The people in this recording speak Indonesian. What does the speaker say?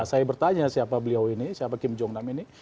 saya bertanya siapa beliau ini siapa kim jong nam ini